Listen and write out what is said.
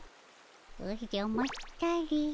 おじゃまったり。